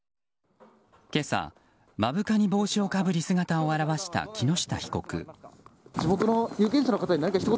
今朝、目深に帽子をかぶり姿を現した木下被告。